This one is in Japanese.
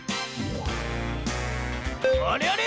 あれあれ？